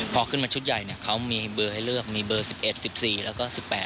พอขึ้นมาชุดใหญ่เนี่ยเขามีเบอร์ได้เลือกมี๒๐๐๑๑๔แล้วก็๒๐๑๘